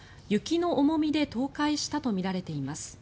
雪の重みで倒壊したとみられています。